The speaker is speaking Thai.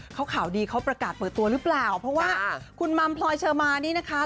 เขาข่าวดีเขาประกาศเปิดตัวหรือเปล่าเพราะว่าคุณมัมพลอยเชอร์มานี่นะคะ